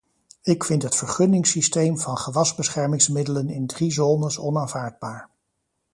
Ik vind het vergunningssysteem van gewasbeschermingsmiddelen in drie zones onaanvaardbaar.